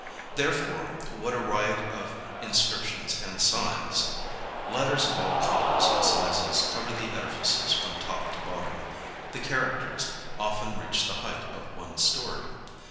Therefore what a riot of inscriptions and signs ! Letters of all colours and sizes cover the edifices from top to bottom : the characters often reach the height of one story.